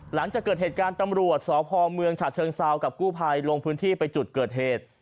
หลังจากเกิดเหตุการณ์ตำรวจสพเมืองฉะเชิงเซากับกู้ภัยลงพื้นที่ไปจุดเกิดเหตุ